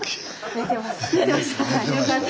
寝てました？